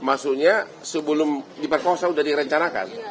maksudnya sebelum dipertosa udah direncanakan